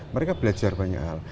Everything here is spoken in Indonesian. mereka belajar banyak hal